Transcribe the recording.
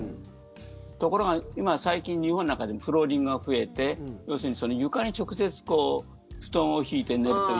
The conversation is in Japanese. ところが最近、日本なんかでもフローリングが増えて要するに床に直接布団を敷いて寝るという。